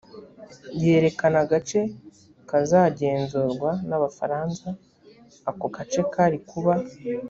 yerekana agace kazagenzurwa n abafaransa ako gace kari kuba